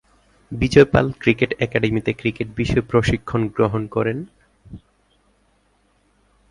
বিজয় Pal cricket একাডেমিতে cricket বিষয়ে প্রশিক্ষণ গ্রহণ করেন।